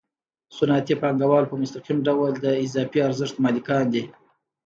صنعتي پانګوال په مستقیم ډول د اضافي ارزښت مالکان دي